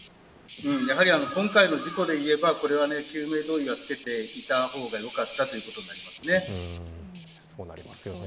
やはり今回の事故でいえばこれは救命胴衣を着けていた方が良かったということですよね。